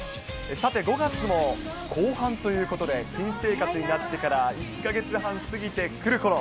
さて、５月も後半ということで、新生活になってから１か月半過ぎてくるころ。